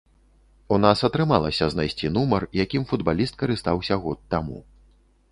У нас атрымалася знайсці нумар, якім футбаліст карыстаўся год таму.